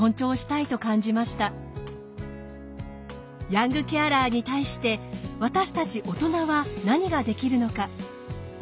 ヤングケアラーに対して私たち大人は何ができるのか。